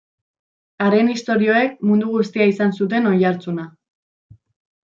Haren istorioek mundu guztian izan zuten oihartzuna.